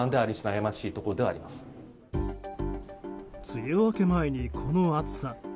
梅雨明け前にこの暑さ。